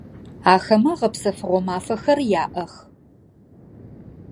Ахэмэ гъэпсэфыгъо мафэхэр яӏэх.